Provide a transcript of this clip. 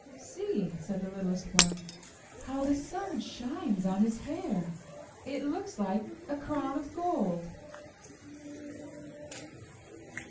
''See!" said the littlest one. "How the sun shines on his hair! It looks like a crown of gold."